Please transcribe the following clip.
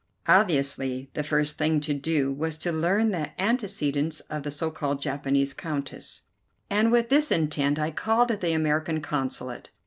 Obviously the first thing to do was to learn the antecedents of the so called Japanese Countess, and with this intent I called at the American Consulate.